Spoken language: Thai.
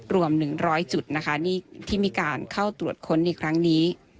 รวม๑๐๐จุดนะคะนี่ที่มีการเข้าตรวจค้นในครั้งนี้